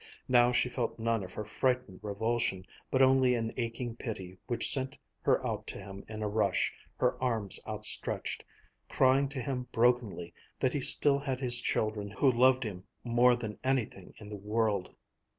Now she felt none of her frightened revulsion, but only an aching pity which sent her out to him in a rush, her arms outstretched, crying to him brokenly that he still had his children who loved him more than anything in the world.